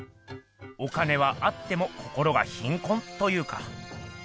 お金はあっても心が貧困というか。